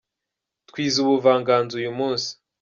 Twize ubuvanganzo uyumunsi.